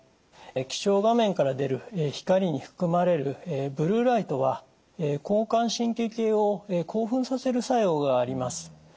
液晶画面から出る光に含まれるブルーライトは交感神経系を興奮させる作用があります。